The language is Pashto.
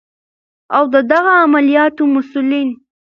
او د دغه عملیاتو مسؤلین